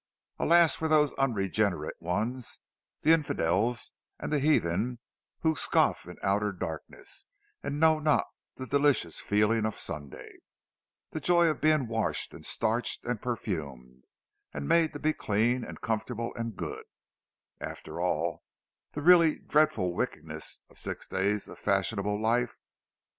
Alas for those unregenerate ones, the infidels and the heathen who scoff in outer darkness, and know not the delicious feeling of Sunday—the joy of being washed and starched and perfumed, and made to be clean and comfortable and good, after all the really dreadful wickedness of six days of fashionable life!